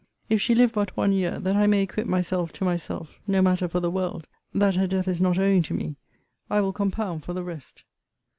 If she live but one year, that I may acquit myself to myself (no matter for the world!) that her death is not owing to me, I will compound for the rest.